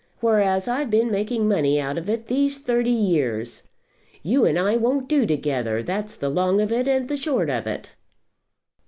Whereas I've been making money out of it these thirty years. You and I won't do together; that's the long of it and the short of it."